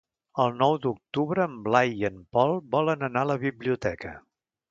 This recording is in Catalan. El nou d'octubre en Blai i en Pol volen anar a la biblioteca.